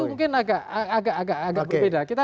itu mungkin agak agak berbeda